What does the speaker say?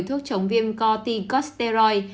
thuốc chống viêm coricosteroid